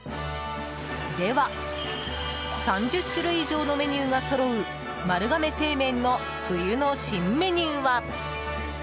では、３０種類以上のメニューがそろう丸亀製麺の冬の新メニューは？